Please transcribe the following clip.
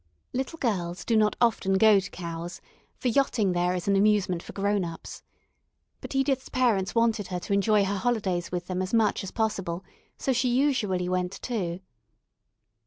Little girls do not often go to Cowes, for yachting there is an amusement for "grown ups." But Edith's parents wanted her to enjoy her holidays with them as much as possible, so she usually went, too.